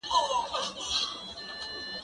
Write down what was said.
زه به سبا پلان جوړ کړم!.